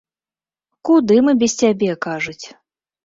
Куды мы без цябе, кажуць?